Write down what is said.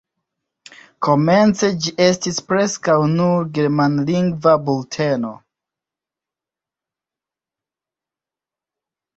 Komence ĝi estis preskaŭ nur germanlingva bulteno.